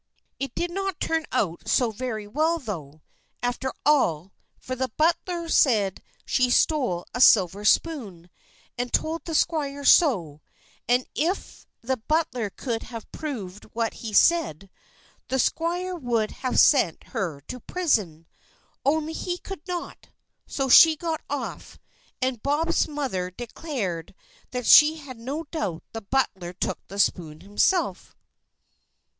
It did not turn out so very well, though, after all, for the butler said she stole a silver spoon, and told the squire so; and if the butler could have proved what he said, the squire would have sent her to prison; only he could not, so she got off, and Bob's mother declared that she had no doubt the butler took the spoon himself.